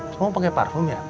kamu pakai parfum ya